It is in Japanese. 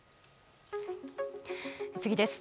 次です。